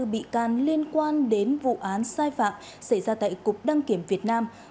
bị can liên quan đến vụ án sai phạm xảy ra tại cục đăng kiểm việt nam